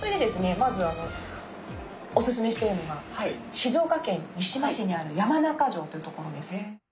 まずあのおすすめしてるのが静岡県三島市にある山中城というところです。